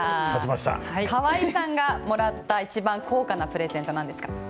川合さんがもらった一番高価なプレゼントなんですか？